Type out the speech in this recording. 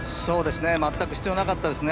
全く必要なかったですね